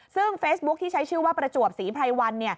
ซึ่งเฟซบุ๊คที่ใช้ชื่อว่าประจวบศรีไพรวัน